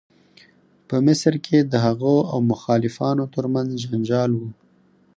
په مصر کې د هغه او مخالفانو تر منځ جنجال و.